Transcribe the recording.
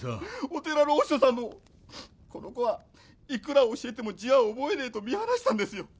お寺の和尚さんもこの子はいくら教えても字は覚えねえと見放したんですよ。